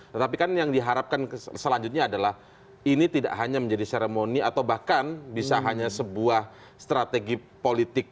tetapi kan yang diharapkan selanjutnya adalah ini tidak hanya menjadi seremoni atau bahkan bisa hanya sebuah strategi politik